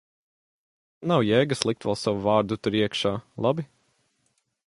Nav jēgas likt vēl savu vārdu tur iekšā, labi?